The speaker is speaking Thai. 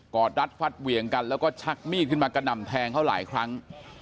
อดรัดฟัดเหวี่ยงกันแล้วก็ชักมีดขึ้นมากระหน่ำแทงเขาหลายครั้ง